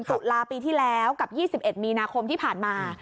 ตุลาปีที่แล้วกับ๒๑มีนาคมที่ผ่านมา